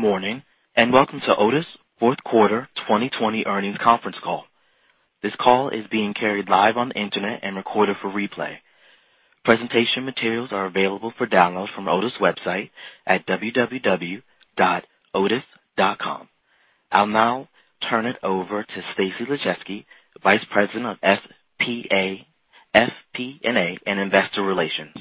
Good morning, and welcome to Otis' fourth quarter 2020 earnings conference call. This call is being carried live on the internet and recorded for replay. Presentation materials are available for download from Otis' website at www.otis.com. I'll now turn it over to Stacy Laszewski, Vice President of FP&A and Investor Relations.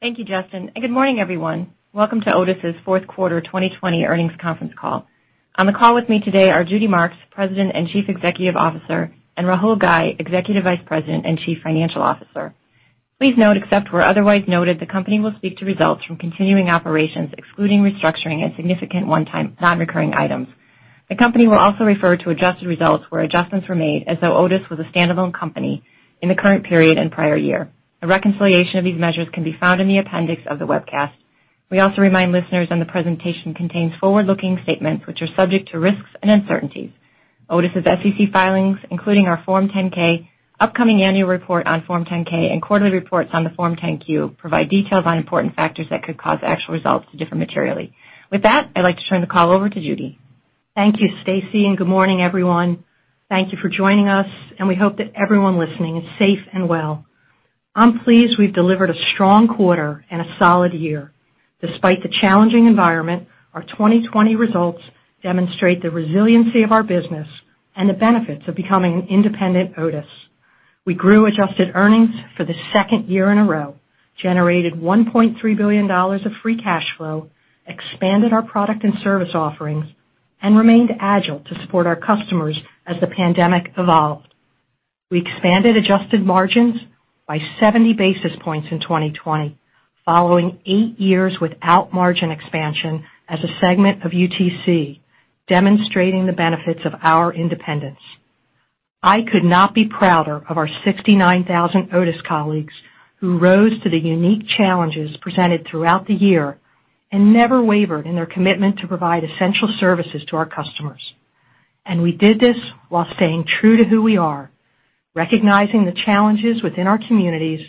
Thank you, Justin, and good morning, everyone. Welcome to Otis' fourth quarter 2020 earnings conference call. On the call with me today are Judy Marks, President and Chief Executive Officer, and Rahul Ghai, Executive Vice President and Chief Financial Officer. Please note, except where otherwise noted, the company will speak to results from continuing operations, excluding restructuring and significant one-time non-recurring items. The company will also refer to adjusted results where adjustments were made as though Otis was a standalone company in the current period and prior year. A reconciliation of these measures can be found in the appendix of the webcast. We also remind listeners that the presentation contains forward-looking statements which are subject to risks and uncertainties. Otis' SEC filings, including our Form 10-K, upcoming annual report on Form 10-K, and quarterly reports on the Form 10-Q provide details on important factors that could cause actual results to differ materially. With that, I'd like to turn the call over to Judy. Thank you, Stacy, and good morning, everyone. Thank you for joining us, and we hope that everyone listening is safe and well. I'm pleased we've delivered a strong quarter and a solid year. Despite the challenging environment, our 2020 results demonstrate the resiliency of our business and the benefits of becoming an independent Otis. We grew adjusted earnings for the second year in a row, generated $1.3 billion of free cash flow, expanded our product and service offerings, and remained agile to support our customers as the pandemic evolved. We expanded adjusted margins by 70 basis points in 2020, following eight years without margin expansion as a segment of UTC, demonstrating the benefits of our independence. I could not be prouder of our 69,000 Otis colleagues who rose to the unique challenges presented throughout the year and never wavered in their commitment to provide essential services to our customers. We did this while staying true to who we are, recognizing the challenges within our communities,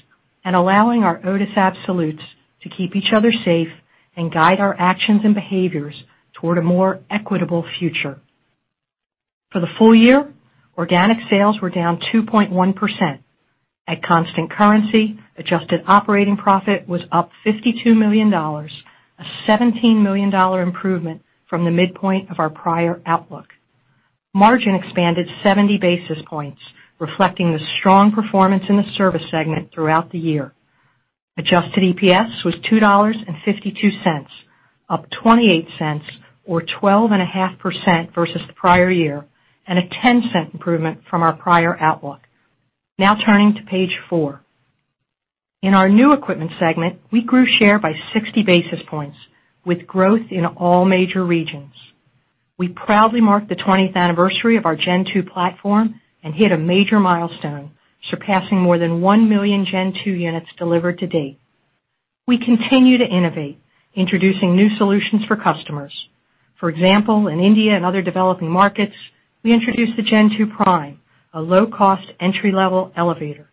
and allowing our Otis Absolutes to keep each other safe and guide our actions and behaviors toward a more equitable future. For the full year, organic sales were down 2.1%. At constant currency, adjusted operating profit was up $52 million, a $17 million improvement from the midpoint of our prior outlook. Margin expanded 70 basis points, reflecting the strong performance in the service segment throughout the year. Adjusted EPS was $2.52, up $0.28 or 12.5% versus the prior year, and a $0.10 improvement from our prior outlook. Turning to page four. In our new equipment segment, we grew share by 60 basis points, with growth in all major regions. We proudly marked the 20th anniversary of our Gen2 platform and hit a major milestone, surpassing more than 1 million Gen2 units delivered to date. We continue to innovate, introducing new solutions for customers. For example, in India and other developing markets, we introduced the Gen2 Prime, a low-cost entry-level elevator.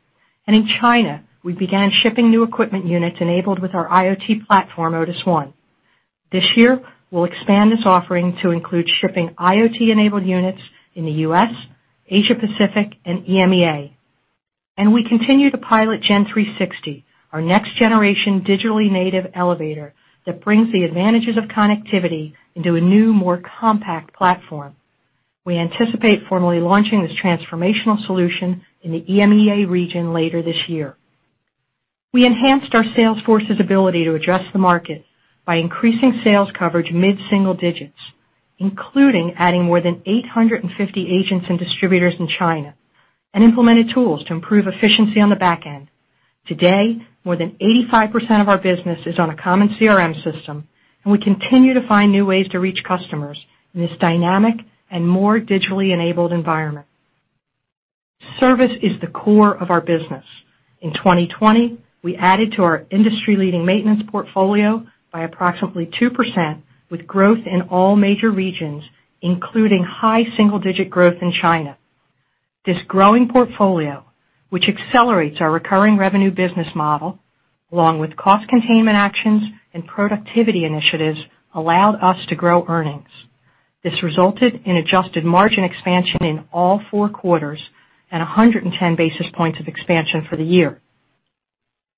In China, we began shipping new equipment units enabled with our IoT platform, Otis ONE. This year, we'll expand this offering to include shipping IoT-enabled units in the U.S., Asia Pacific, and EMEA. We continue to pilot Gen360, our next-generation digitally native elevator that brings the advantages of connectivity into a new, more compact platform. We anticipate formally launching this transformational solution in the EMEA region later this year. We enhanced our sales force's ability to adjust the market by increasing sales coverage mid-single digits, including adding more than 850 agents and distributors in China, and implemented tools to improve efficiency on the back end. Today, more than 85% of our business is on a common CRM system, and we continue to find new ways to reach customers in this dynamic and more digitally enabled environment. Service is the core of our business. In 2020, we added to our industry-leading maintenance portfolio by approximately 2%, with growth in all major regions, including high single-digit growth in China. This growing portfolio, which accelerates our recurring revenue business model, along with cost containment actions and productivity initiatives, allowed us to grow earnings. This resulted in adjusted margin expansion in all four quarters and 110 basis points of expansion for the year.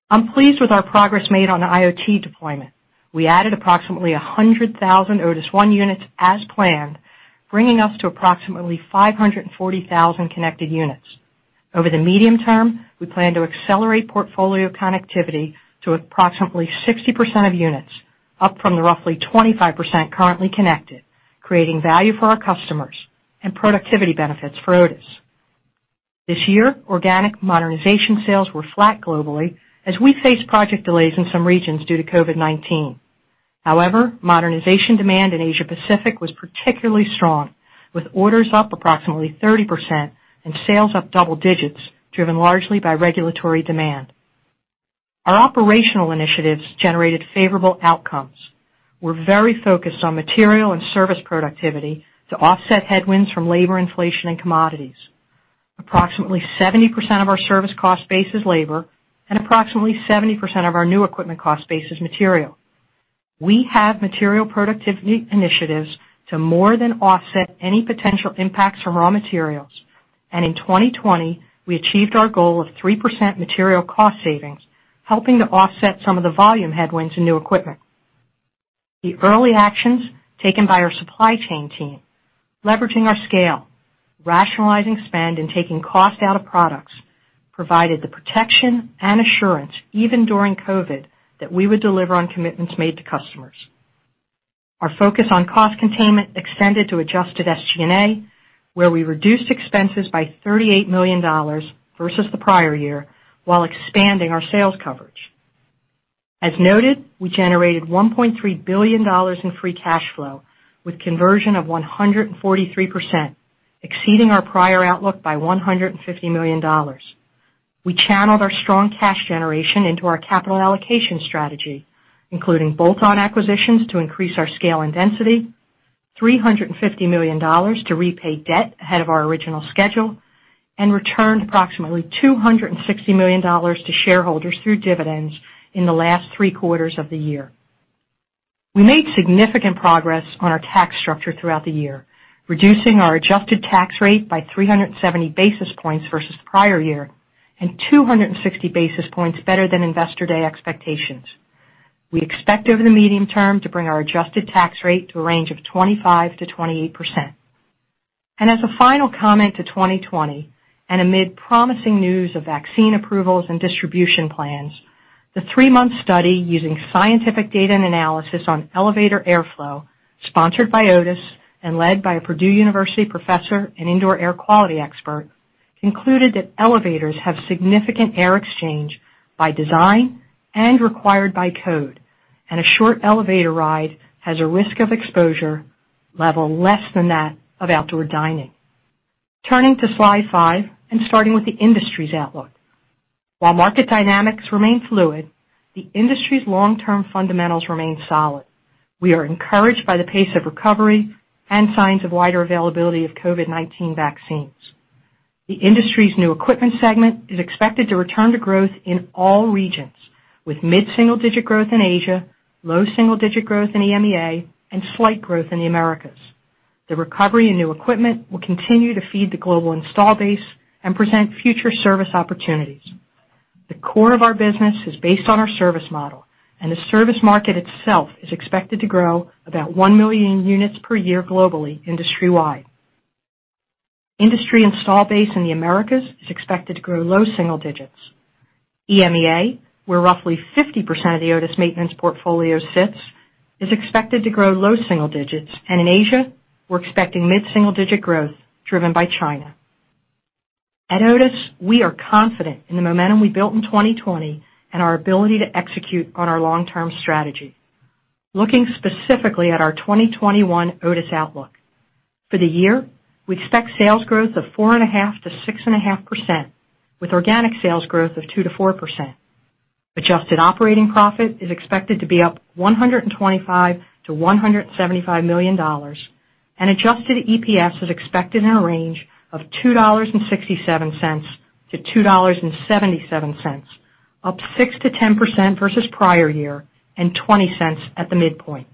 I'm pleased with our progress made on the IoT deployment. We added approximately 100,000 Otis ONE units as planned, bringing us to approximately 540,000 connected units. Over the medium term, we plan to accelerate portfolio connectivity to approximately 60% of units, up from the roughly 25% currently connected, creating value for our customers and productivity benefits for Otis. This year, organic modernization sales were flat globally as we faced project delays in some regions due to COVID-19. Modernization demand in Asia Pacific was particularly strong, with orders up approximately 30% and sales up double digits, driven largely by regulatory demand. Our operational initiatives generated favorable outcomes. We're very focused on material and service productivity to offset headwinds from labor inflation and commodities. Approximately 70% of our service cost base is labor, and approximately 70% of our new equipment cost base is material. We have material productivity initiatives to more than offset any potential impacts from raw materials. In 2020, we achieved our goal of 3% material cost savings, helping to offset some of the volume headwinds in new equipment. The early actions taken by our supply chain team, leveraging our scale, rationalizing spend, and taking cost out of products, provided the protection and assurance, even during COVID, that we would deliver on commitments made to customers. Our focus on cost containment extended to adjusted SG&A, where we reduced expenses by $38 million versus the prior year while expanding our sales coverage. As noted, we generated $1.3 billion in free cash flow with conversion of 143%, exceeding our prior outlook by $150 million. We channeled our strong cash generation into our capital allocation strategy, including bolt-on acquisitions to increase our scale and density, $350 million to repay debt ahead of our original schedule, and returned approximately $260 million to shareholders through dividends in the last three quarters of the year. We made significant progress on our tax structure throughout the year, reducing our adjusted tax rate by 370 basis points versus the prior year and 260 basis points better than investor day expectations. We expect over the medium term to bring our adjusted tax rate to a range of 25%-28%. As a final comment to 2020, and amid promising news of vaccine approvals and distribution plans, the three-month study using scientific data and analysis on elevator airflow, sponsored by Otis and led by a Purdue University professor and indoor air quality expert, concluded that elevators have significant air exchange by design and required by code, and a short elevator ride has a risk of exposure level less than that of outdoor dining. Turning to slide 5 and starting with the industry's outlook. While market dynamics remain fluid, the industry's long-term fundamentals remain solid. We are encouraged by the pace of recovery and signs of wider availability of COVID-19 vaccines. The industry's new equipment segment is expected to return to growth in all regions, with mid-single-digit growth in Asia, low single-digit growth in EMEA, and slight growth in the Americas. The recovery in new equipment will continue to feed the global install base and present future service opportunities. The core of our business is based on our service model, and the service market itself is expected to grow about 1 million units per year globally industry-wide. Industry install base in the Americas is expected to grow low single digits. EMEA, where roughly 50% of the Otis maintenance portfolio sits, is expected to grow low single digits. In Asia, we're expecting mid-single-digit growth driven by China. At Otis, we are confident in the momentum we built in 2020 and our ability to execute on our long-term strategy. Looking specifically at our 2021 Otis outlook. For the year, we expect sales growth of 4.5%-6.5%, with organic sales growth of 2%-4%. Adjusted operating profit is expected to be up $125 million-$175 million and adjusted EPS is expected in a range of $2.67-$2.77, up 6%-10% versus prior year and $0.20 at the midpoint.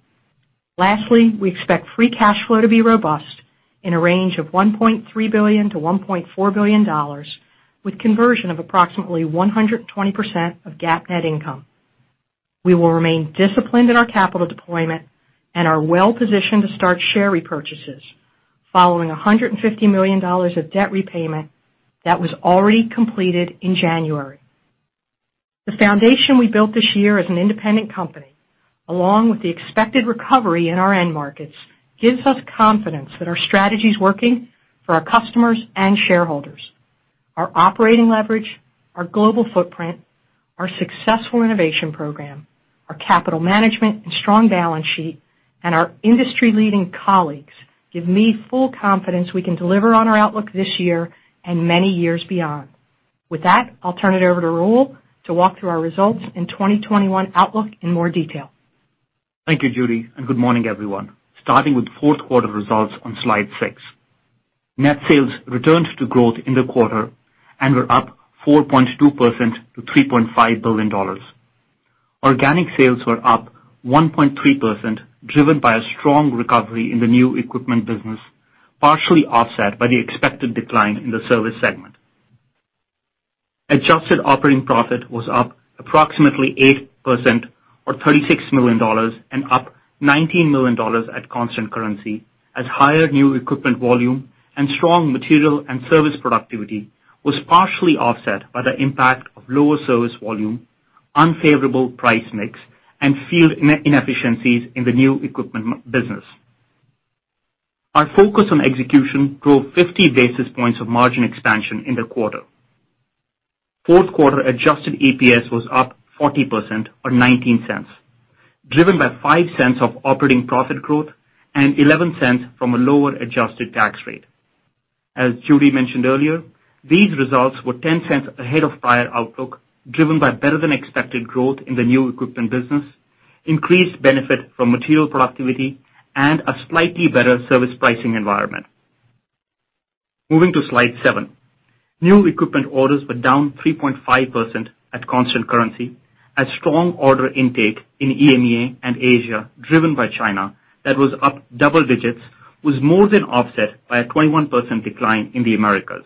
Lastly, we expect free cash flow to be robust in a range of $1.3 billion-$1.4 billion with conversion of approximately 120% of GAAP net income. We will remain disciplined in our capital deployment and are well-positioned to start share repurchases following $150 million of debt repayment that was already completed in January. The foundation we built this year as an independent company, along with the expected recovery in our end markets, gives us confidence that our strategy is working for our customers and shareholders. Our operating leverage, our global footprint, our successful innovation program, our capital management and strong balance sheet, and our industry-leading colleagues give me full confidence we can deliver on our outlook this year and many years beyond. With that, I'll turn it over to Rahul to walk through our results and 2021 outlook in more detail. Thank you, Judy, and good morning, everyone. Starting with fourth quarter results on slide 6. Net sales returned to growth in the quarter and were up 4.2% to $3.5 billion. Organic sales were up 1.3%, driven by a strong recovery in the new equipment business, partially offset by the expected decline in the service segment. Adjusted operating profit was up approximately 8% or $36 million and up $19 million at constant currency as higher new equipment volume and strong material and service productivity was partially offset by the impact of lower service volume, unfavorable price mix, and field inefficiencies in the new equipment business. Our focus on execution drove 50 basis points of margin expansion in the quarter. Fourth quarter adjusted EPS was up 40% or $0.19, driven by $0.05 of operating profit growth and $0.11 from a lower adjusted tax rate. As Judy mentioned earlier, these results were $0.10 ahead of prior outlook, driven by better than expected growth in the new equipment business. Increased benefit from material productivity and a slightly better service pricing environment. Moving to slide 7. New equipment orders were down 3.5% at constant currency, as strong order intake in EMEA and Asia, driven by China, that was up double digits, was more than offset by a 21% decline in the Americas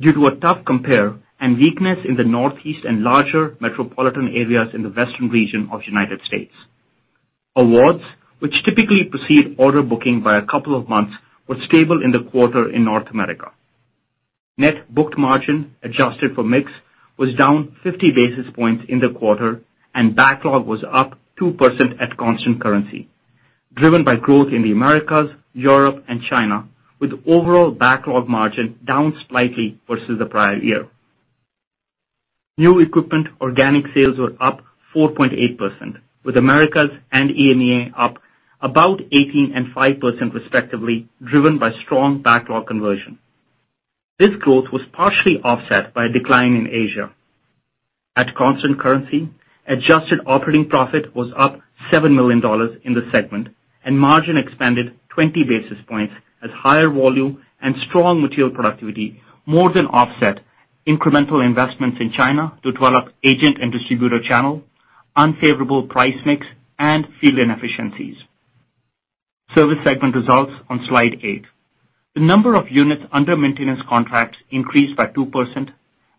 due to a tough compare and weakness in the Northeast and larger metropolitan areas in the western region of the U.S. Awards, which typically precede order booking by a couple of months, were stable in the quarter in North America. Net booked margin, adjusted for mix, was down 50 basis points in the quarter. Backlog was up 2% at constant currency, driven by growth in the Americas, Europe, and China, with overall backlog margin down slightly versus the prior year. New equipment organic sales were up 4.8%, with Americas and EMEA up about 18 and 5% respectively, driven by strong backlog conversion. This growth was partially offset by a decline in Asia. At constant currency, adjusted operating profit was up $7 million in the segment. Margin expanded 20 basis points as higher volume and strong material productivity more than offset incremental investments in China to develop agent and distributor channel, unfavorable price mix, and field inefficiencies. Service segment results on slide 8. The number of units under maintenance contracts increased by 2%,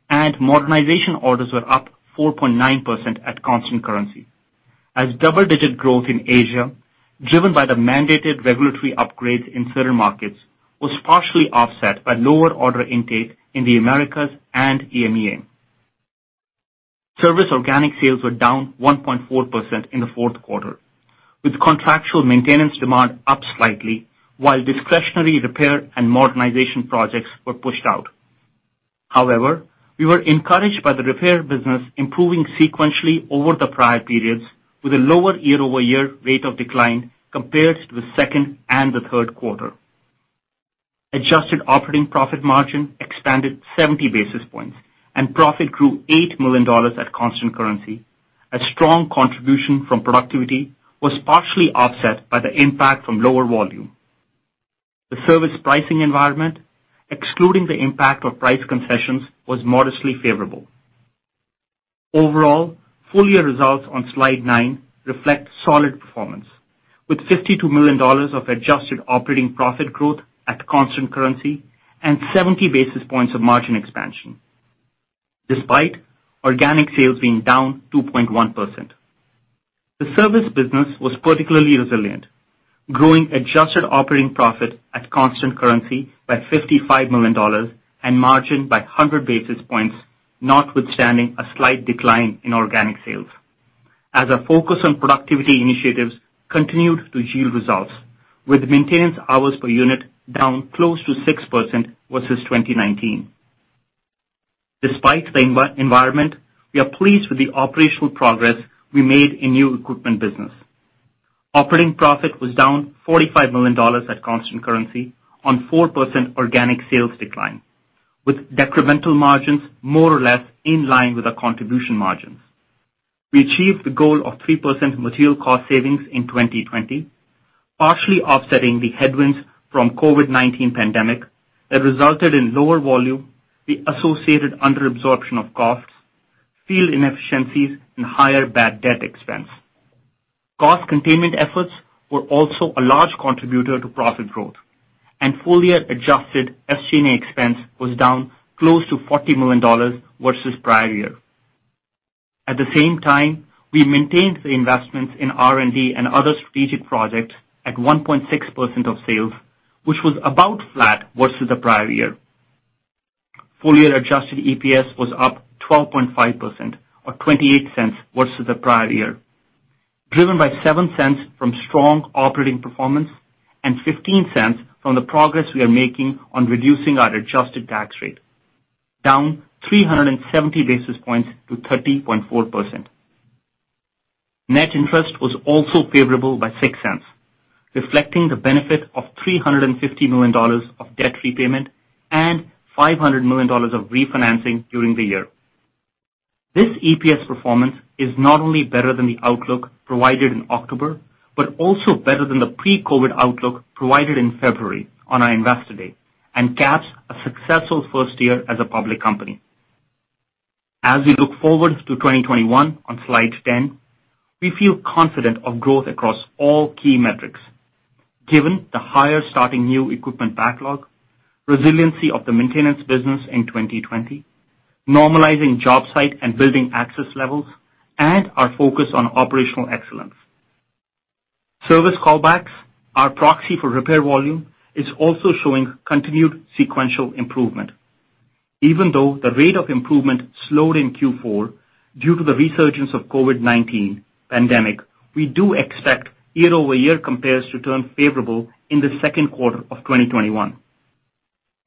and modernization orders were up 4.9% at constant currency, as double-digit growth in Asia, driven by the mandated regulatory upgrades in certain markets, was partially offset by lower order intake in the Americas and EMEA. Service organic sales were down 1.4% in the fourth quarter, with contractual maintenance demand up slightly, while discretionary repair and modernization projects were pushed out. However, we were encouraged by the repair business improving sequentially over the prior periods with a lower year-over-year rate of decline compared to the second and the third quarter. Adjusted operating profit margin expanded 70 basis points, and profit grew $8 million at constant currency. A strong contribution from productivity was partially offset by the impact from lower volume. The service pricing environment, excluding the impact of price concessions, was modestly favorable. Overall, full-year results on slide 9 reflect solid performance, with $52 million of adjusted operating profit growth at constant currency and 70 basis points of margin expansion despite organic sales being down 2.1%. The service business was particularly resilient, growing adjusted operating profit at constant currency by $55 million and margin by 100 basis points, notwithstanding a slight decline in organic sales as our focus on productivity initiatives continued to yield results with maintenance hours per unit down close to 6% versus 2019. Despite the environment, we are pleased with the operational progress we made in new equipment business. Operating profit was down $45 million at constant currency on 4% organic sales decline, with decremental margins more or less in line with our contribution margins. We achieved the goal of 3% material cost savings in 2020, partially offsetting the headwinds from COVID-19 pandemic that resulted in lower volume, the associated under-absorption of costs, field inefficiencies, and higher bad debt expense. Cost containment efforts were also a large contributor to profit growth, and full-year adjusted SG&A expense was down close to $40 million versus prior year. At the same time, we maintained the investments in R&D and other strategic projects at 1.6% of sales, which was about flat versus the prior year. Full-year adjusted EPS was up 12.5%, or $0.28 versus the prior year, driven by $0.07 from strong operating performance and $0.15 from the progress we are making on reducing our adjusted tax rate, down 370 basis points to 30.4%. Net interest was also favorable by $0.06, reflecting the benefit of $350 million of debt repayment and $500 million of refinancing during the year. This EPS performance is not only better than the outlook provided in October, but also better than the pre-COVID outlook provided in February on our Investor Day and caps a successful first year as a public company. As we look forward to 2021 on slide 10, we feel confident of growth across all key metrics given the higher starting new equipment backlog, resiliency of the maintenance business in 2020, normalizing job site and building access levels, and our focus on operational excellence. Service callbacks, our proxy for repair volume, is also showing continued sequential improvement. Even though the rate of improvement slowed in Q4 due to the resurgence of COVID-19 pandemic, we do expect year-over-year compares to turn favorable in the second quarter of 2021.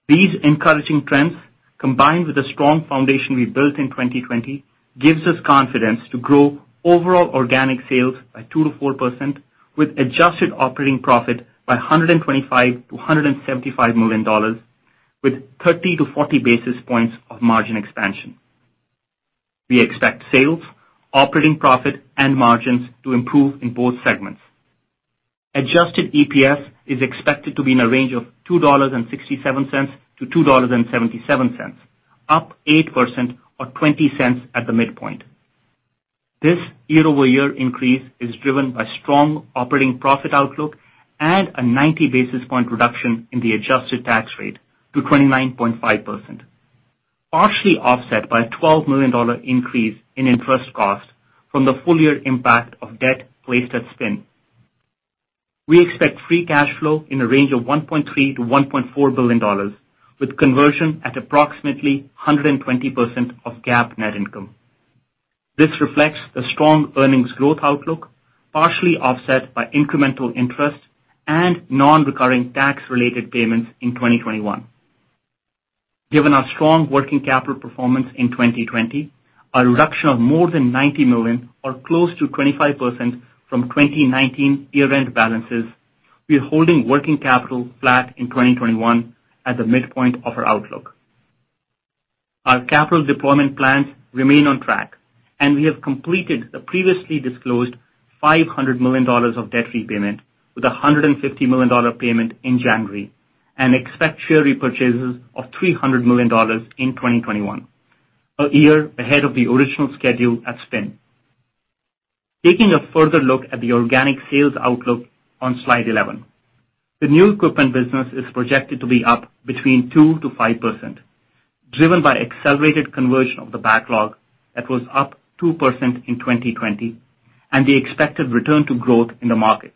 These encouraging trends, combined with the strong foundation we built in 2020, gives us confidence to grow overall organic sales by 2%-4%, with adjusted operating profit by $125 million to $175 million, with 30-40 basis points of margin expansion. We expect sales, operating profit, and margins to improve in both segments. Adjusted EPS is expected to be in a range of $2.67 to $2.77, up 8% or $0.20 at the midpoint. This year-over-year increase is driven by strong operating profit outlook and a 90 basis point reduction in the adjusted tax rate to 29.5%, partially offset by a $12 million increase in interest costs from the full year impact of debt placed at spin. We expect free cash flow in a range of $1.3 billion-$1.4 billion, with conversion at approximately 120% of GAAP net income. This reflects the strong earnings growth outlook, partially offset by incremental interest and non-recurring tax-related payments in 2021. Given our strong working capital performance in 2020, a reduction of more than $90 million or close to 25% from 2019 year-end balances, we are holding working capital flat in 2021 at the midpoint of our outlook. Our capital deployment plans remain on track, and we have completed the previously disclosed $500 million of debt repayment, with $150 million payment in January, and expect share repurchases of $300 million in 2021, a year ahead of the original schedule at spin. Taking a further look at the organic sales outlook on slide 11. The new equipment business is projected to be up between 2%-5%, driven by accelerated conversion of the backlog that was up 2% in 2020, and the expected return to growth in the market.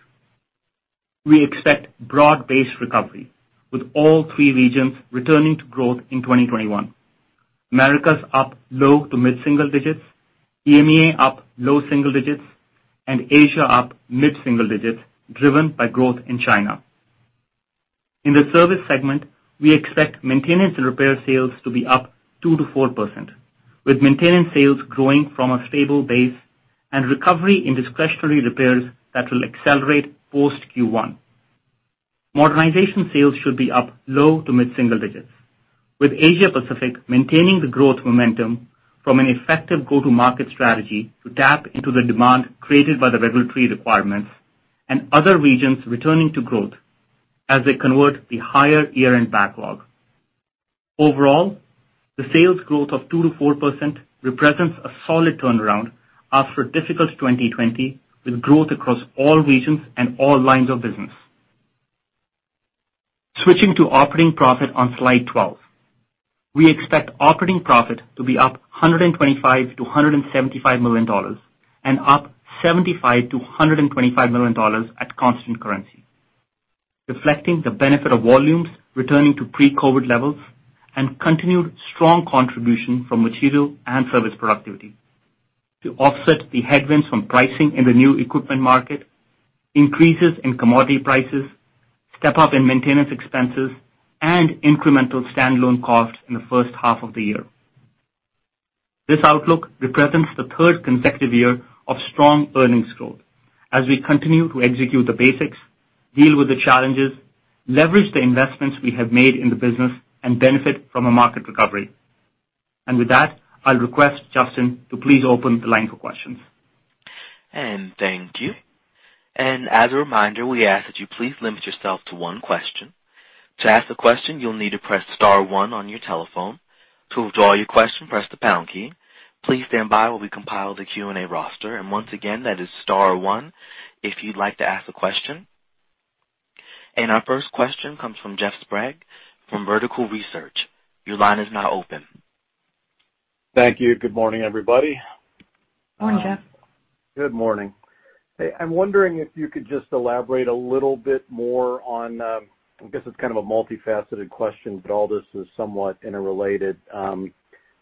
We expect broad-based recovery, with all three regions returning to growth in 2021. Americas up low to mid-single digits, EMEA up low single digits, and Asia up mid-single digits, driven by growth in China. In the service segment, we expect maintenance and repair sales to be up 2%-4%, with maintenance sales growing from a stable base and recovery in discretionary repairs that will accelerate post Q1. Modernization sales should be up low to mid-single digits, with Asia Pacific maintaining the growth momentum from an effective go-to-market strategy to tap into the demand created by the regulatory requirements and other regions returning to growth as they convert the higher year-end backlog. Overall, the sales growth of 2%-4% represents a solid turnaround after a difficult 2020, with growth across all regions and all lines of business. Switching to operating profit on slide 12. We expect operating profit to be up $125 million-$175 million and up $75 million-$125 million at constant currency, reflecting the benefit of volumes returning to pre-COVID levels and continued strong contribution from material and service productivity to offset the headwinds from pricing in the new equipment market, increases in commodity prices, step-up in maintenance expenses, and incremental standalone costs in the first half of the year. This outlook represents the third consecutive year of strong earnings growth as we continue to execute the basics, deal with the challenges, leverage the investments we have made in the business, and benefit from a market recovery. With that, I'll request Justin to please open the line for questions. Thank you. As a reminder, we ask that you please limit yourself to one question. To ask a question, you'll need to press star one on your telephone. To withdraw your question, press the pound key. Please stand by while we compile the Q&A roster. Once again, that is star one if you'd like to ask a question. Our first question comes from Jeff Sprague from Vertical Research. Your line is now open. Thank you. Good morning, everybody. Good morning, Jeff. Good morning. Hey, I'm wondering if you could just elaborate a little bit more on, I guess it's kind of a multifaceted question, but all this is somewhat interrelated.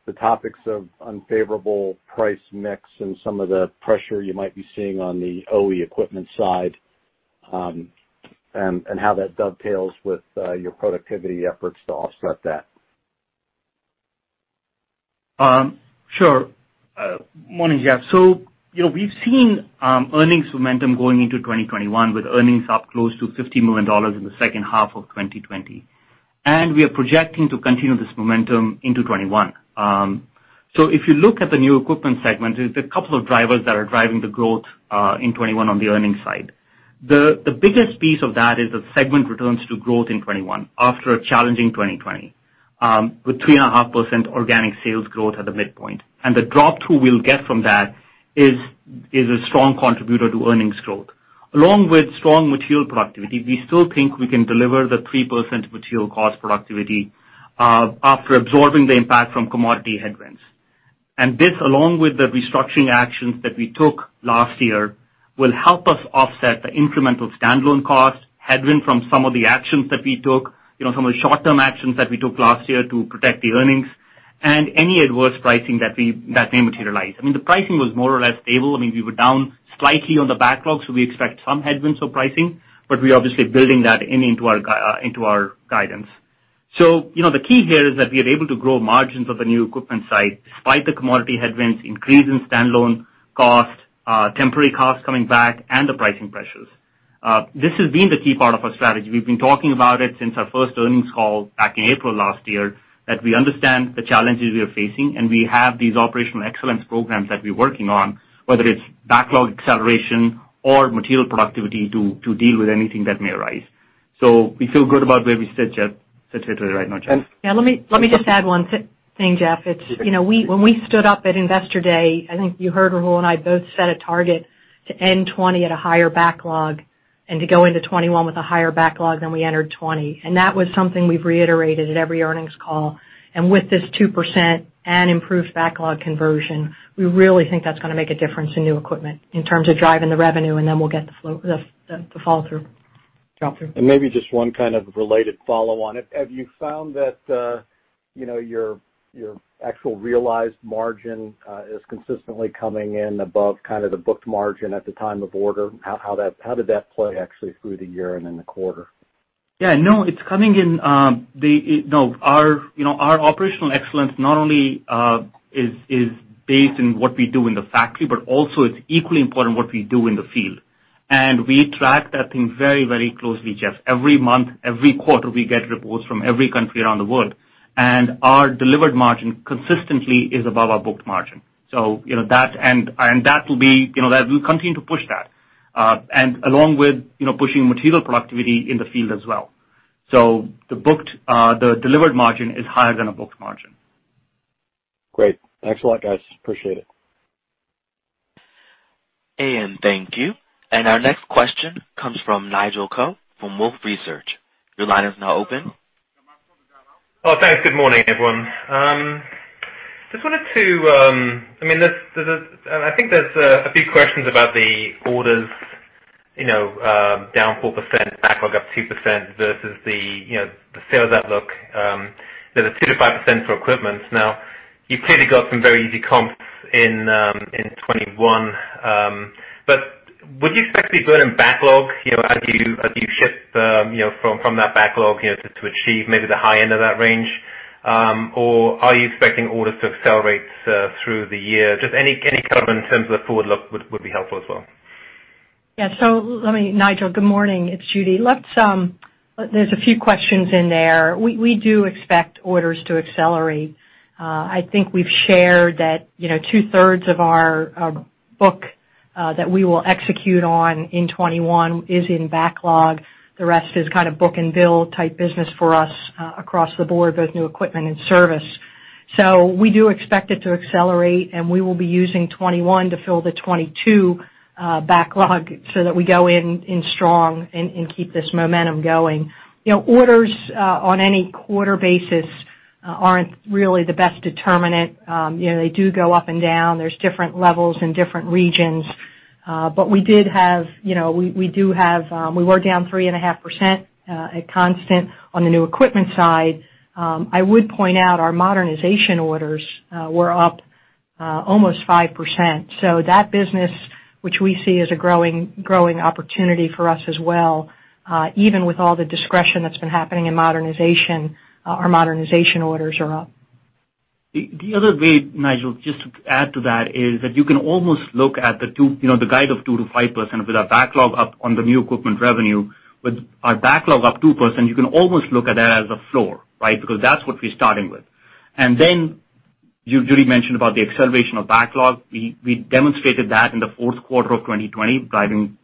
The topics of unfavorable price mix and some of the pressure you might be seeing on the OE equipment side, and how that dovetails with your productivity efforts to offset that. morning, Jeff. You know, we've seen earnings momentum going into 2021 with earnings up close to $50 million in the second half of 2020. We are projecting to continue this momentum into 2021. If you look at the new equipment segment, there's a couple of drivers that are driving the growth in 2021 on the earnings side. The biggest piece of that is the segment returns to growth in 2021 after a challenging 2020, with 3.5% organic sales growth at the midpoint. The drop-through we'll get from that is a strong contributor to earnings growth. Along with strong material productivity, we still think we can deliver the 3% material cost productivity after absorbing the impact from commodity headwinds. This, along with the restructuring actions that we took last year, will help us offset the incremental standalone costs, headwind from some of the actions that we took, you know, some of the short-term actions that we took last year to protect the earnings, and any adverse pricing that may materialize. I mean, the pricing was more or less stable. I mean, we were down slightly on the backlog. We expect some headwinds for pricing, but we're obviously building that into our guidance. You know, the key here is that we are able to grow margins of the new equipment side despite the commodity headwinds, increase in standalone cost, temporary costs coming back, and the pricing pressures. This has been the key part of our strategy. We've been talking about it since our first earnings call back in April last year, that we understand the challenges we are facing, and we have these operational excellence programs that we're working on, whether it's backlog acceleration or material productivity to deal with anything that may arise. We feel good about where we sit today right now, Jeff. And- Yeah, let me just add one thing, Jeff. When we stood up at Investor Day, I think you heard Rahul and I both set a target to end 2020 at a higher backlog and to go into 2021 with a higher backlog than we entered 2020. That was something we've reiterated at every earnings call. With this 2% and improved backlog conversion, we really think that's going to make a difference in new equipment in terms of driving the revenue, and then we'll get the follow-through. maybe just one kind of related follow on it. Have you found that your actual realized margin is consistently coming in above kind of the booked margin at the time of order? How did that play actually through the year and in the quarter? Yeah, no. Our operational excellence not only is based on what we do in the factory, but also it's equally important what we do in the field. We track that thing very closely, Jeff. Every month, every quarter, we get reports from every country around the world. Our delivered margin consistently is above our booked margin. We'll continue to push that, along with pushing material productivity in the field as well. The delivered margin is higher than a booked margin. Great. Thanks a lot, guys. Appreciate it. Thank you. Our next question comes from Nigel Coe from Wolfe Research. Your line is now open. Oh, thanks. Good morning, everyone. I think there's a few questions about the orders, down 4%, backlog up 2% versus the sales outlook. There's a 2%-5% for equipment. You've clearly got some very easy comps in 2021. Would you expect to be good in backlog, as you ship from that backlog to achieve maybe the high end of that range? Are you expecting orders to accelerate through the year? Just any color in terms of the forward look would be helpful as well. Nigel, good morning. It's Judy. There's a few questions in there. We do expect orders to accelerate. I think we've shared that two-thirds of our book that we will execute on in 2021 is in backlog. The rest is kind of book and bill type business for us across the board, both new equipment and service. We do expect it to accelerate, and we will be using 2021 to fill the 2022 backlog so that we go in strong and keep this momentum going. Orders on any quarter basis aren't really the best determinant. They do go up and down. There's different levels in different regions. We were down 3.5% at constant on the new equipment side. I would point out our modernization orders were up almost 5%. That business, which we see as a growing opportunity for us as well, even with all the discretion that's been happening in modernization, our modernization orders are up. The other way, Nigel, just to add to that, is that you can almost look at the guide of 2%-5% with our backlog up on the new equipment revenue. With our backlog up 2%, you can almost look at that as a floor, right? That's what we're starting with. Judy mentioned about the acceleration of backlog. We demonstrated that in the fourth quarter of 2020, driving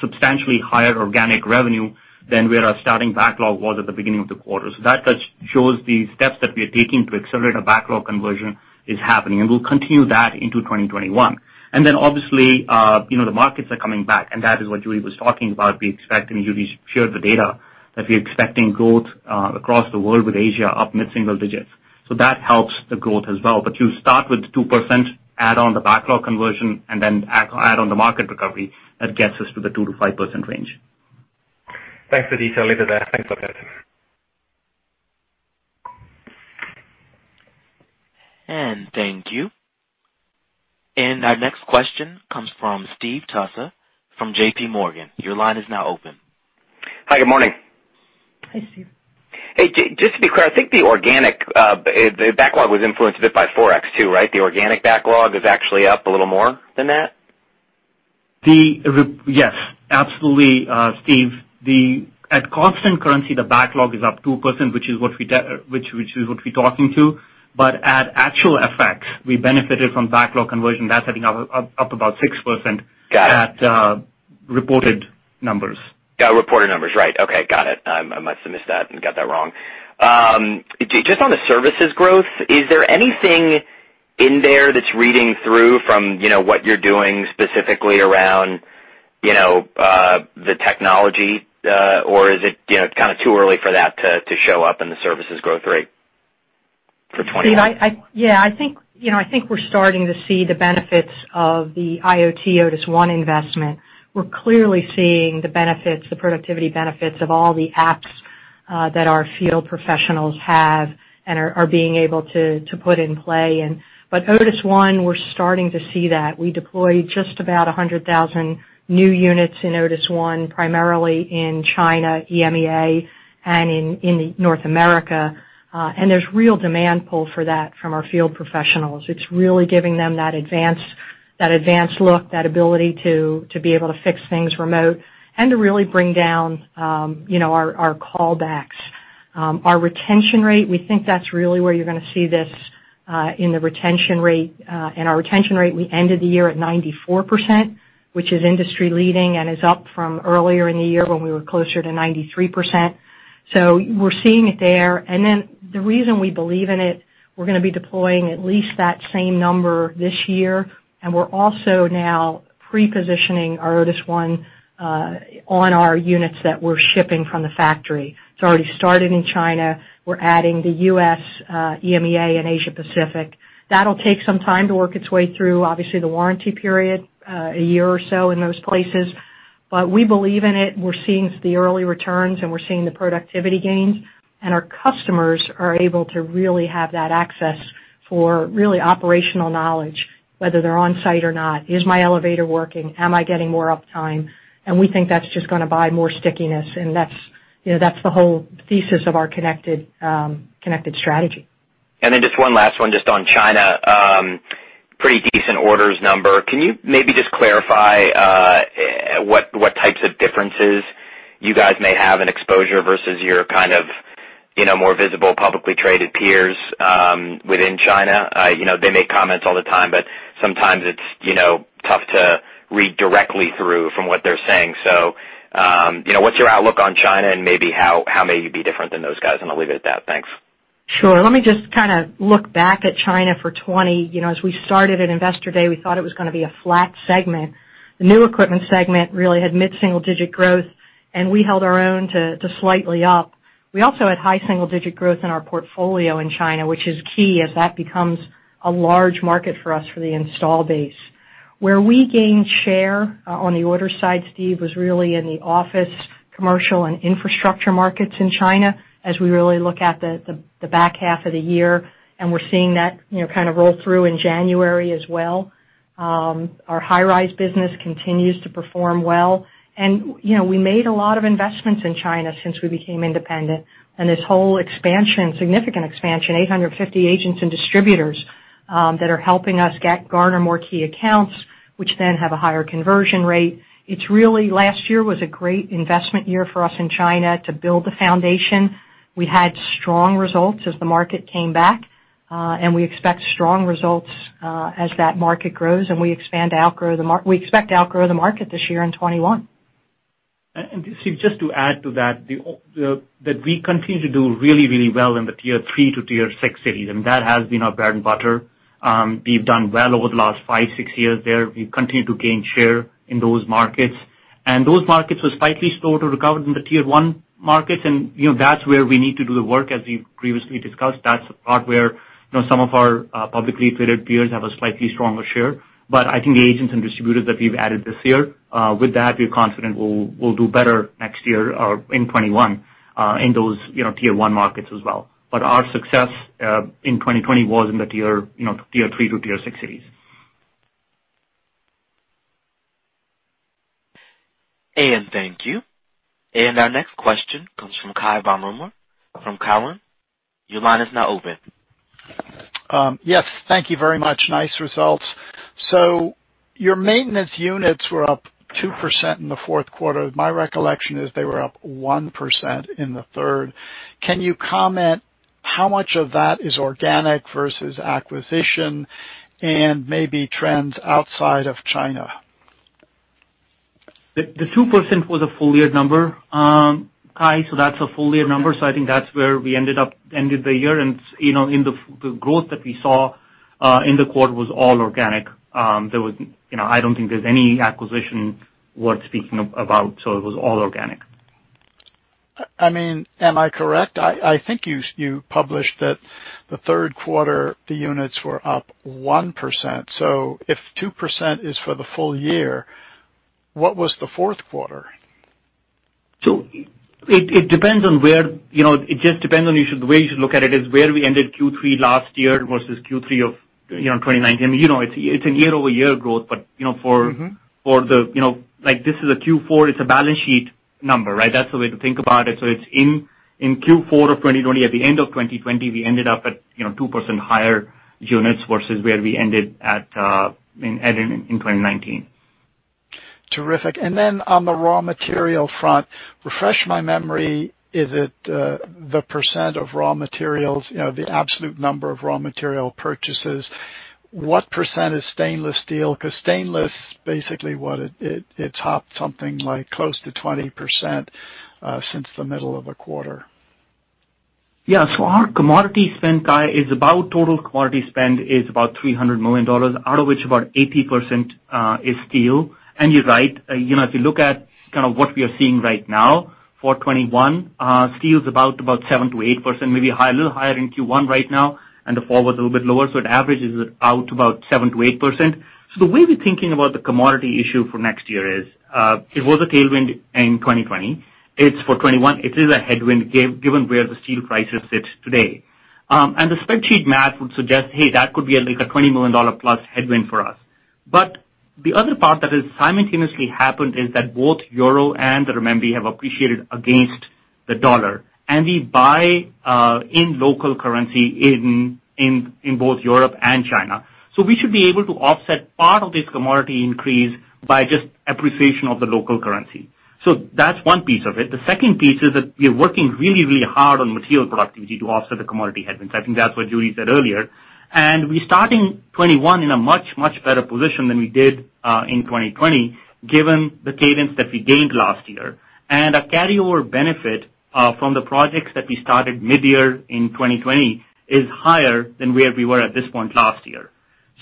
substantially higher organic revenue than where our starting backlog was at the beginning of the quarter. That just shows the steps that we are taking to accelerate our backlog conversion is happening, and we'll continue that into 2021. Obviously, the markets are coming back, and that is what Judy was talking about, and Judy shared the data, that we're expecting growth across the world with Asia up mid-single digits. That helps the growth as well. You start with 2%, add on the backlog conversion, and then add on the market recovery, that gets us to the 2%-5% range. Thanks for the detail. Thanks for that. Thank you. Our next question comes from Steve Tusa from JP Morgan. Hi, good morning. Hi, Steve. Hey, just to be clear, I think the backlog was influenced a bit by Forex too, right? The organic backlog is actually up a little more than that? Yes, absolutely, Steve. At constant currency, the backlog is up 2%, which is what we're talking to. At actual FX, we benefited from backlog conversion. That's ending up about 6%. Got it. at reported numbers. Yeah, reported numbers. Right. Okay. Got it. I must have missed that and got that wrong. Just on the services growth, is there anything in there that's reading through from what you're doing specifically around the technology? Is it kind of too early for that to show up in the services growth rate for 2021? Steve, I think we're starting to see the benefits of the IoT Otis One investment. We're clearly seeing the productivity benefits of all the apps that our field professionals have and are being able to put in play. Otis One, we're starting to see that. We deployed just about 100,000 new units in Otis One, primarily in China, EMEA, and in North America. There's real demand pull for that from our field professionals. It's really giving them that advanced look, that ability to be able to fix things remote and to really bring down our callbacks. Our retention rate, we think that's really where you're going to see this in the retention rate. Our retention rate, we ended the year at 94%, which is industry-leading and is up from earlier in the year when we were closer to 93%. We're seeing it there. The reason we believe in it, we're going to be deploying at least that same number this year, and we're also now pre-positioning our Otis ONE on our units that we're shipping from the factory. It's already started in China. We're adding the U.S., EMEA, and Asia-Pacific. That'll take some time to work its way through, obviously the warranty period, a year or so in most places. We believe in it, and we're seeing the early returns, and we're seeing the productivity gains. Our customers are able to really have that access for really operational knowledge, whether they're on site or not. Is my elevator working? Am I getting more uptime? We think that's just going to buy more stickiness, and that's the whole thesis of our connected strategy. Just one last one just on China. Pretty decent orders number. Can you maybe just clarify what types of differences you guys may have in exposure versus your kind of more visible, publicly traded peers within China? They make comments all the time, but sometimes it's tough to read directly through from what they're saying. What's your outlook on China and maybe how may you be different than those guys? I'll leave it at that. Thanks. Sure. Let me just kind of look back at China for 2020. As we started at Investor Day, we thought it was going to be a flat segment. The new equipment segment really had mid-single-digit growth, and we held our own to slightly up. We also had high double-digit growth in our portfolio in China, which is key as that becomes a large market for us for the install base. Where we gained share on the order side, Steve, was really in the office, commercial, and infrastructure markets in China as we really look at the back half of the year, and we're seeing that kind of roll through in January as well. Our high-rise business continues to perform well. We made a lot of investments in China since we became independent, this whole expansion, significant expansion, 850 agents and distributors that are helping us garner more key accounts, which then have a higher conversion rate. Last year was a great investment year for us in China to build the foundation. We had strong results as the market came back, we expect strong results as that market grows, we expect to outgrow the market this year in 2021. Steve, just to add to that we continue to do really, really well in the tier 3 to tier 6 cities, and that has been our bread and butter. We've done well over the last five, six years there. We've continued to gain share in those markets. Those markets were slightly slower to recover than the tier 1 markets, and that's where we need to do the work, as we've previously discussed. That's the part where some of our publicly traded peers have a slightly stronger share. I think the agents and distributors that we've added this year, with that, we're confident we'll do better next year or in 2021 in those tier 1 markets as well. Our success in 2020 was in the tier 3 to tier 6 cities. Thank you. Our next question comes from Cai von Rumohr from Cowen. Yes, thank you very much. Nice results. Your maintenance units were up 2% in the fourth quarter. My recollection is they were up 1% in the third. Can you comment how much of that is organic versus acquisition and maybe trends outside of China? The 2% was a full year number, Cai, so that's a full year number. I think that's where we ended the year. The growth that we saw in the quarter was all organic. I don't think there's any acquisition worth speaking about, so it was all organic. Am I correct? I think you published that the third quarter, the units were up 1%. If 2% is for the full year, what was the fourth quarter? It just depends on the way you should look at it is where we ended Q3 last year versus Q3 of 2019. It's a year-over-year growth. This is a Q4, it's a balance sheet number, right? That's the way to think about it. It's in Q4 of 2020. At the end of 2020, we ended up at 2% higher units versus where we ended in 2019. Terrific. Then on the raw material front, refresh my memory, is it the % of raw materials, the absolute number of raw material purchases, what % is stainless steel? Because stainless basically what it topped something like close to 20% since the middle of the quarter. Yeah. Our commodity spend, Cai, total commodity spend is about $300 million, out of which about 80% is steel. You're right. If you look at kind of what we are seeing right now for 2021, steel is about 7%-8%, maybe a little higher in Q1 right now, and the fall was a little bit lower. It averages out about 7%-8%. The way we're thinking about the commodity issue for next year is, it was a tailwind in 2020. It's for 2021, it is a headwind given where the steel prices sit today. The spreadsheet math would suggest, hey, that could be like a $20 million-plus headwind for us. The other part that has simultaneously happened is that both euro and the renminbi have appreciated against the dollar, and we buy in local currency in both Europe and China. We should be able to offset part of this commodity increase by just appreciation of the local currency. That's one piece of it. The second piece is that we are working really hard on material productivity to offset the commodity headwinds. I think that's what Judy said earlier. We're starting 2021 in a much better position than we did in 2020, given the cadence that we gained last year. A carryover benefit from the projects that we started mid-year in 2020 is higher than where we were at this point last year.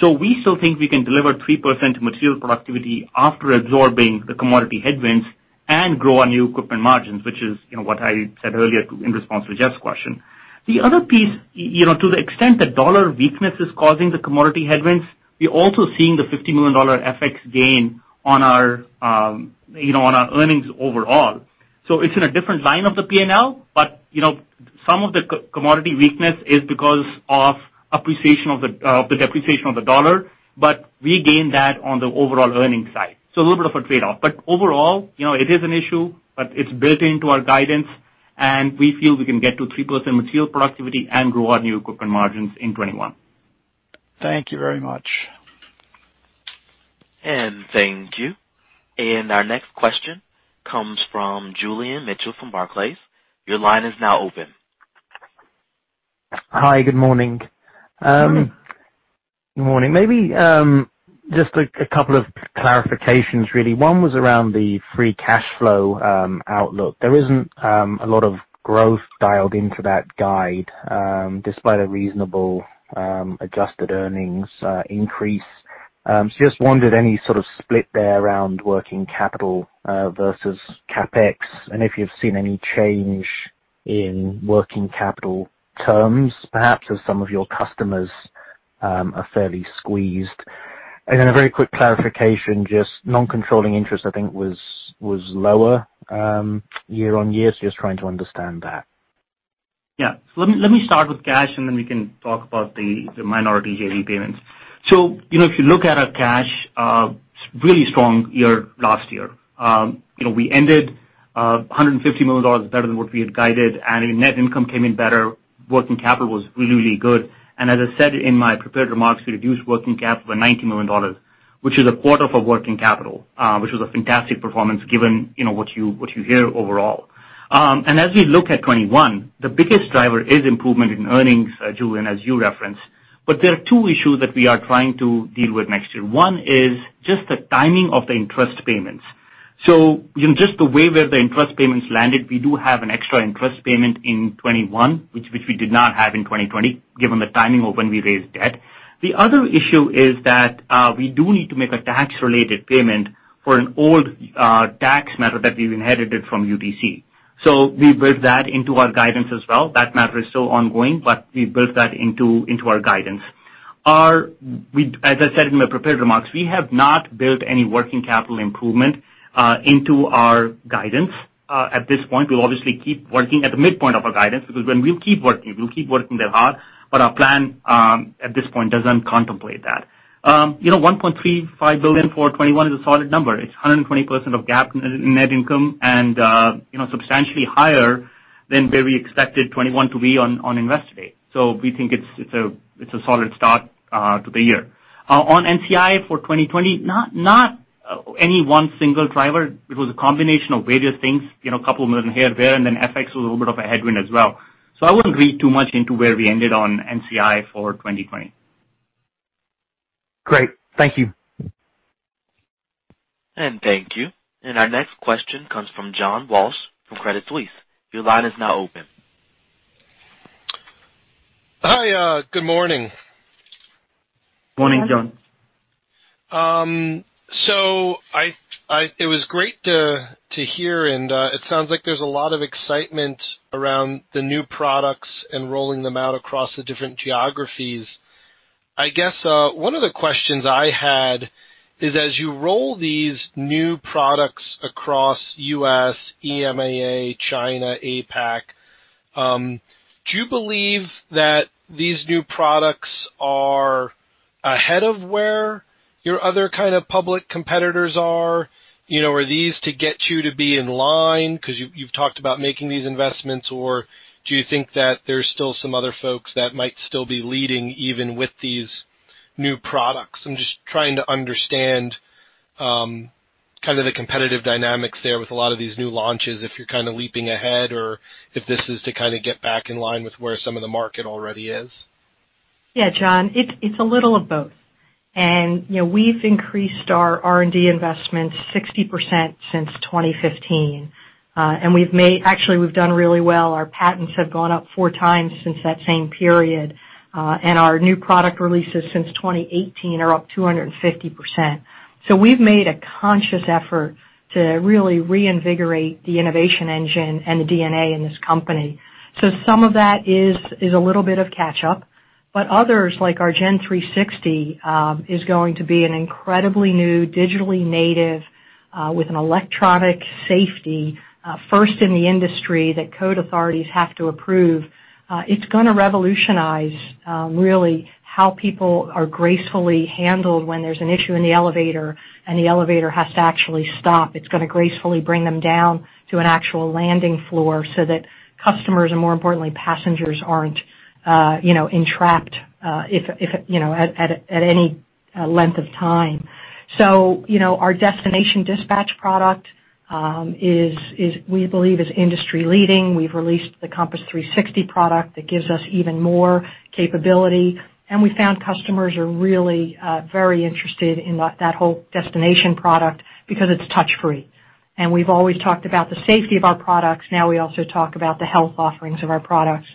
We still think we can deliver 3% material productivity after absorbing the commodity headwinds and grow our new equipment margins, which is what I said earlier in response to Jeff's question. The other piece, to the extent that dollar weakness is causing the commodity headwinds, we're also seeing the $50 million FX gain on our earnings overall. It's in a different line of the P&L, some of the commodity weakness is because of the depreciation of the dollar, we gain that on the overall earnings side. A little bit of a trade-off, overall, it is an issue, it's built into our guidance, and we feel we can get to 3% material productivity and grow our new equipment margins in 2021. Thank you very much. Thank you. Our next question comes from Julian Mitchell from Barclays. Your line is now open. Hi, good morning. Good morning. Good morning. Just a couple of clarifications, really. One was around the free cash flow outlook. There isn't a lot of growth dialed into that guide, despite a reasonable adjusted earnings increase. Just wondered any sort of split there around working capital versus CapEx and if you've seen any change in working capital terms, perhaps as some of your customers are fairly squeezed. A very quick clarification, just non-controlling interest, I think was lower year-on-year. Just trying to understand that. Yeah. Let me start with cash and then we can talk about the minority JV payments. If you look at our cash, really strong year last year. We ended $150 million better than what we had guided, and net income came in better. Working capital was really good. As I said in my prepared remarks, we reduced working capital by $90 million, which is a quarter of our working capital, which was a fantastic performance given what you hear overall. As we look at 2021, the biggest driver is improvement in earnings, Julian, as you referenced. There are two issues that we are trying to deal with next year. One is just the timing of the interest payments. Just the way where the interest payments landed, we do have an extra interest payment in 2021, which we did not have in 2020 given the timing of when we raised debt. The other issue is that we do need to make a tax-related payment for an old tax matter that we've inherited from UTC. We built that into our guidance as well. That matter is still ongoing, but we built that into our guidance. As I said in my prepared remarks, we have not built any working capital improvement into our guidance at this point. We'll obviously keep working at the midpoint of our guidance because when we'll keep working there hard, but our plan, at this point, doesn't contemplate that. $1.35 billion for 2021 is a solid number. It's 120% of GAAP net income and substantially higher than where we expected 2021 to be on Invest Day. We think it's a solid start to the year. On NCI for 2020, not any one single driver. It was a combination of various things, a couple million here and there, and FX was a little bit of a headwind as well. I wouldn't read too much into where we ended on NCI for 2020. Great. Thank you. Thank you. Our next question comes from John Walsh from Credit Suisse. Your line is now open. Hi. Good morning. Morning, John. It was great to hear and it sounds like there's a lot of excitement around the new products and rolling them out across the different geographies. I guess, one of the questions I had is as you roll these new products across U.S., EMEA, China, APAC, do you believe that these new products are ahead of where your other kind of public competitors are? Are these to get you to be in line because you've talked about making these investments, or do you think that there's still some other folks that might still be leading even with these new products? I'm just trying to understand kind of the competitive dynamics there with a lot of these new launches, if you're kind of leaping ahead or if this is to kind of get back in line with where some of the market already is. Yeah, John, it's a little of both. We've increased our R&D investments 60% since 2015. Actually, we've done really well. Our patents have gone up four times since that same period. Our new product releases since 2018 are up 250%. We've made a conscious effort to really reinvigorate the innovation engine and the DNA in this company. Some of that is a little bit of catch-up, but others, like our Gen360, is going to be an incredibly new digitally native. With an electronic safety, first in the industry, that code authorities have to approve. It's going to revolutionize really how people are gracefully handled when there's an issue in the elevator and the elevator has to actually stop. It's going to gracefully bring them down to an actual landing floor so that customers, and more importantly, passengers, aren't entrapped at any length of time. Our destination dispatch product we believe is industry leading. We've released the Compass 360 product that gives us even more capability, and we found customers are really very interested in that whole destination product because it's touch-free. We've always talked about the safety of our products, now we also talk about the health offerings of our products.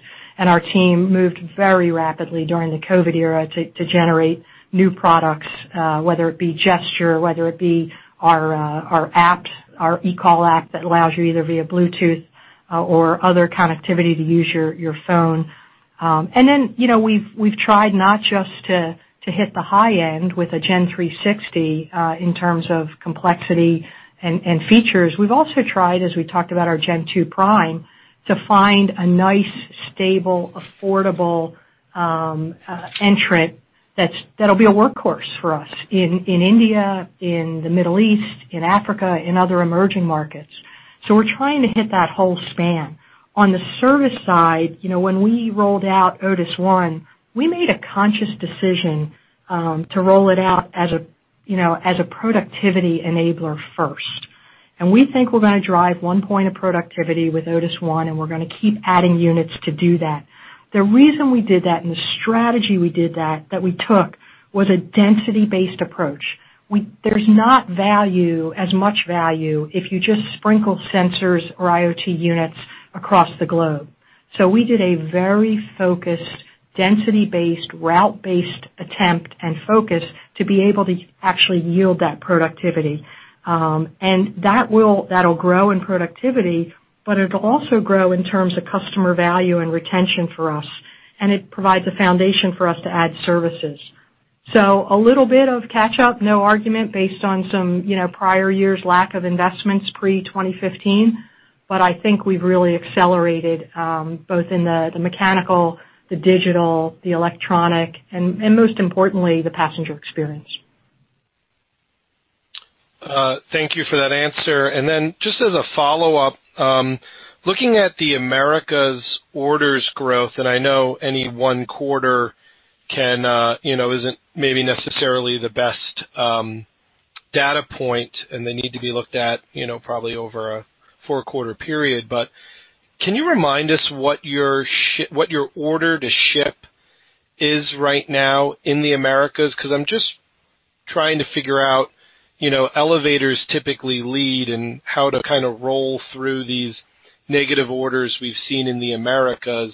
Our team moved very rapidly during the COVID era to generate new products, whether it be gesture, whether it be our apps, our eCall app that allows you either via Bluetooth or other connectivity to use your phone. We've tried not just to hit the high end with a Gen360, in terms of complexity and features. We've also tried, as we talked about our Gen2 Prime, to find a nice, stable, affordable entrant that'll be a workhorse for us in India, in the Middle East, in Africa, in other emerging markets. We're trying to hit that whole span. On the service side, when we rolled out Otis ONE, we made a conscious decision to roll it out as a productivity enabler first. We think we're going to drive one point of productivity with Otis ONE, and we're going to keep adding units to do that. The reason we did that and the strategy we did that we took, was a density-based approach. There's not as much value if you just sprinkle sensors or IoT units across the globe. We did a very focused, density-based, route-based attempt and focus to be able to actually yield that productivity. That'll grow in productivity, but it'll also grow in terms of customer value and retention for us. It provides a foundation for us to add services. A little bit of catch-up, no argument, based on some prior years' lack of investments pre-2015. I think we've really accelerated both in the mechanical, the digital, the electronic, and most importantly, the passenger experience. Thank you for that answer. Then just as a follow-up, looking at the Americas orders growth, I know any one quarter isn't maybe necessarily the best data point and they need to be looked at probably over a four-quarter period, but can you remind us what your order to ship is right now in the Americas? Because I'm just trying to figure out, elevators typically lead and how to kind of roll through these negative orders we've seen in the Americas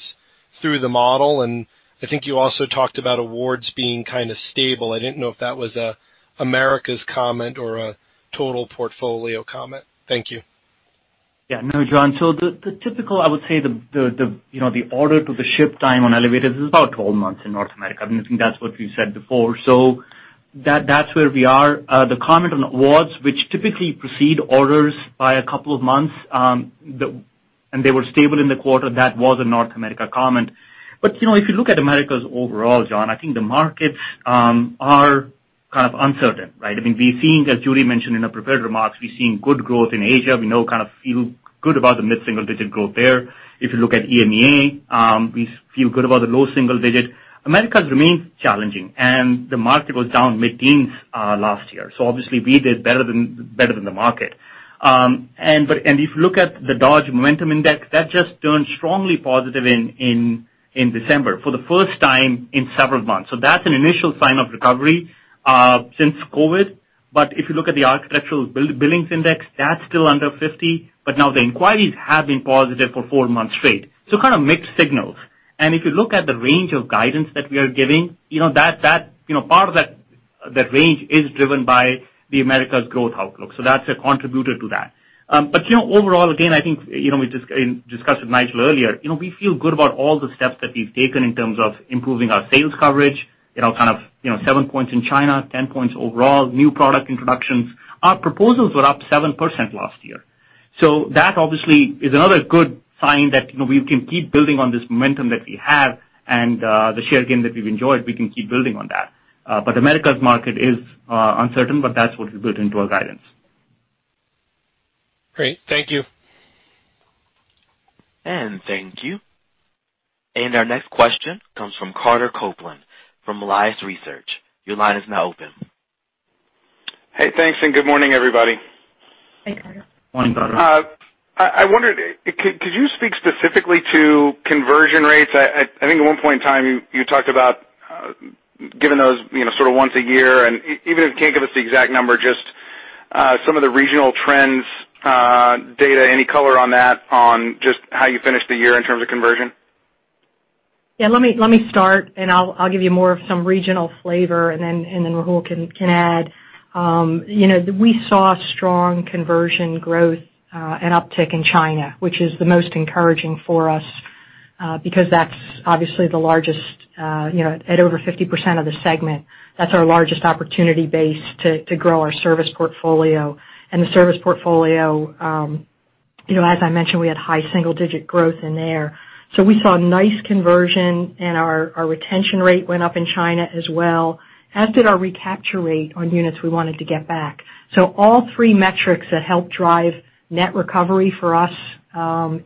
through the model. I think you also talked about awards being kind of stable. I didn't know if that was an Americas comment or a total portfolio comment. Thank you. Yeah. No, John. The typical, I would say, the order to the ship time on elevators is about 12 months in North America. I think that's what we've said before. That's where we are. The comment on awards, which typically precede orders by a couple of months, and they were stable in the quarter, that was a North America comment. If you look at Americas overall, John, I think the markets are kind of uncertain, right? As Judy mentioned in her prepared remarks, we're seeing good growth in Asia. We know kind of feel good about the mid-single digit growth there. If you look at EMEA, we feel good about the low single digit. Americas remains challenging, and the market was down mid-teens last year. Obviously we did better than the market. If you look at the Dodge Momentum Index, that just turned strongly positive in December for the 1st time in several months. That's an initial sign of recovery since COVID. If you look at the Architecture Billings Index, that's still under 50. Now the inquiries have been positive for 4 months straight. Kind of mixed signals. If you look at the range of guidance that we are giving, part of that range is driven by the Americas growth outlook. That's a contributor to that. Overall, again, I think we discussed with Nigel earlier, we feel good about all the steps that we've taken in terms of improving our sales coverage, kind of 7 points in China, 10 points overall, new product introductions. Our proposals were up 7% last year. That obviously is another good sign that we can keep building on this momentum that we have and the share gain that we've enjoyed, we can keep building on that. Americas market is uncertain, but that's what we built into our guidance. Great. Thank you. Thank you. Our next question comes from Carter Copeland from Melius Research. Your line is now open. Hey, thanks and good morning, everybody. Morning, Carter. I wondered, could you speak specifically to conversion rates? I think at one point in time you talked about giving those sort of once a year, and even if you can't give us the exact number, just some of the regional trends data, any color on that on just how you finished the year in terms of conversion? Yeah, let me start, and I'll give you more of some regional flavor, and then Rahul can add. We saw strong conversion growth and uptick in China, which is the most encouraging for us because that's obviously the largest, at over 50% of the segment. That's our largest opportunity base to grow our service portfolio. The service portfolio, as I mentioned, we had high single-digit growth in there. We saw nice conversion, and our retention rate went up in China as well, as did our recapture rate on units we wanted to get back. All three metrics that help drive net recovery for us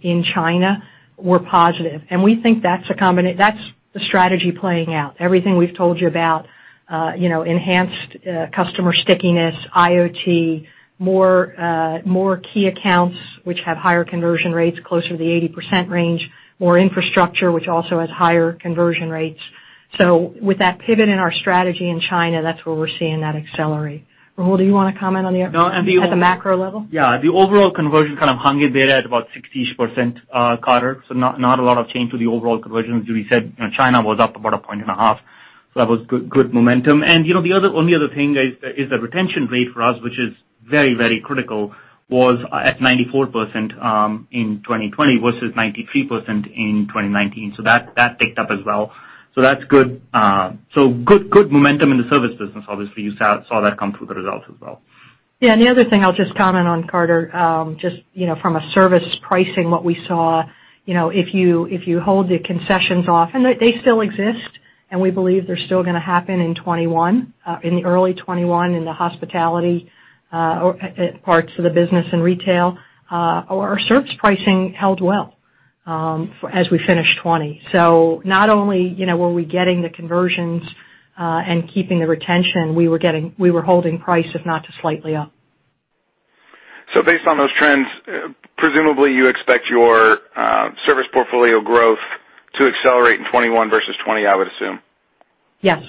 in China were positive. We think that's the strategy playing out. Everything we've told you about enhanced customer stickiness, IoT, more key accounts which have higher conversion rates closer to the 80% range, more infrastructure, which also has higher conversion rates. With that pivot in our strategy in China, that's where we're seeing that accelerate. Rahul, do you want to comment on the- No, and the- At the macro level? Yeah. The overall conversion kind of hung in there at about 60-ish%, Carter. Not a lot of change to the overall conversion. As Judy said, China was up about a point and a half, so that was good momentum. The only other thing is the retention rate for us, which is very critical, was at 94% in 2020 versus 93% in 2019. That ticked up as well. That's good. Good momentum in the service business, obviously. You saw that come through the results as well. The other thing I'll just comment on, Carter, just from a service pricing, what we saw, if you hold the concessions off, and they still exist, and we believe they're still going to happen in 2021, in the early 2021, in the hospitality parts of the business and retail. Our service pricing held well as we finished 2020. Not only were we getting the conversions and keeping the retention, we were holding price, if not just slightly up. Based on those trends, presumably you expect your service portfolio growth to accelerate in 2021 versus 2020, I would assume? Yes.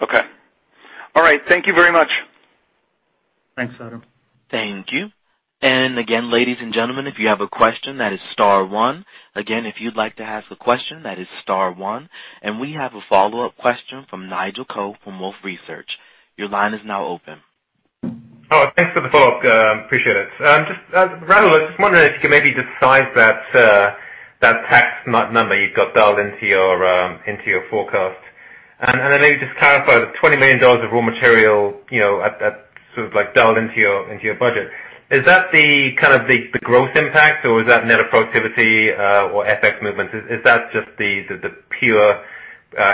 Okay. All right. Thank you very much. Thanks, Adam. Thank you. Again, ladies and gentlemen, if you have a question, that is star one. Again, if you'd like to ask a question, that is star one. We have a follow-up question from Nigel Coe from Wolfe Research. Your line is now open. Thanks for the follow-up. Appreciate it. Rahul, I was just wondering if you could maybe just size that tax number you've got dialed into your forecast. Then maybe just clarify the $20 million of raw material, that's sort of dialed into your budget. Is that the kind of the growth impact, or is that net of productivity or FX movements? Is that just the pure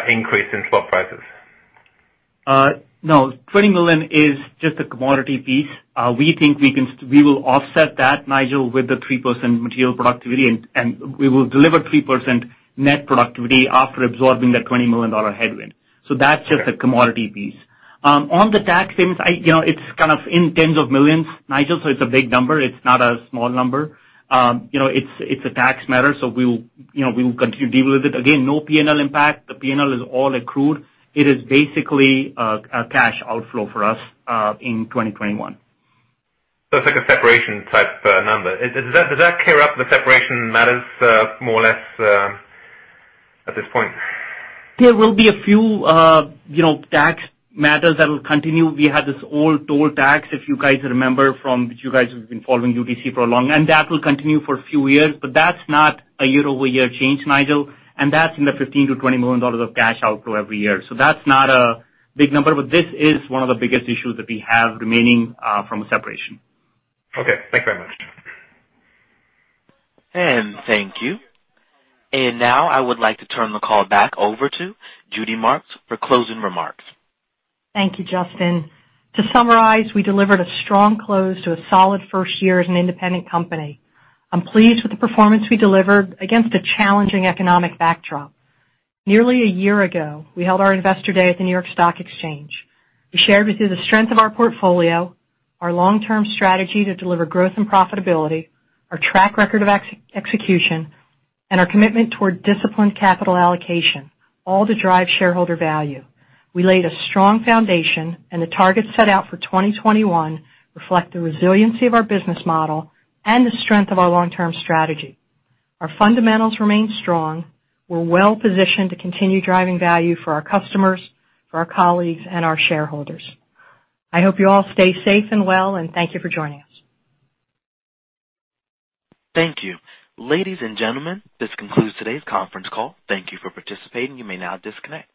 increase in spot prices? No, $20 million is just a commodity piece. We think we will offset that, Nigel, with the 3% material productivity, and we will deliver 3% net productivity after absorbing that $20 million headwind. Okay the commodity piece. On the tax savings, it's kind of in tens of millions, Nigel. It's a big number. It's not a small number. It's a tax matter. We will continue to deal with it. Again, no P&L impact. The P&L is all accrued. It is basically a cash outflow for us in 2021. It's like a separation type number. Does that clear up the separation matters more or less at this point? There will be a few tax matters that will continue. We had this old toll tax, if you guys remember from, you guys who've been following UTC for long, that will continue for a few years, but that's not a year-over-year change, Nigel, that's in the $15 million-$20 million of cash outflow every year. That's not a big number, but this is one of the biggest issues that we have remaining from a separation. Okay. Thanks very much. Thank you. Now I would like to turn the call back over to Judy Marks for closing remarks. Thank you, Justin. To summarize, we delivered a strong close to a solid first year as an independent company. I'm pleased with the performance we delivered against a challenging economic backdrop. Nearly a year ago, we held our investor day at the New York Stock Exchange. We shared with you the strength of our portfolio, our long-term strategy to deliver growth and profitability, our track record of execution, our commitment toward disciplined capital allocation, all to drive shareholder value. We laid a strong foundation, the targets set out for 2021 reflect the resiliency of our business model and the strength of our long-term strategy. Our fundamentals remain strong. We're well-positioned to continue driving value for our customers, for our colleagues, and our shareholders. I hope you all stay safe and well. Thank you for joining us. Thank you. Ladies and gentlemen, this concludes today's conference call. Thank you for participating. You may now disconnect.